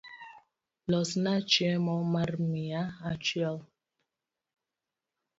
Losna chiemo mar mia achiel